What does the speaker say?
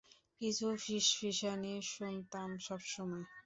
কিছু ফিসফিসানি শুনতাম সবসময়!